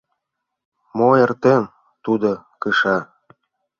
Мо эртен — тудо кыша.